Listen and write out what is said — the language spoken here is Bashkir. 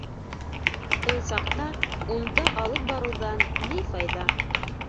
Ул саҡта унда алып барыуҙан ни файҙа?!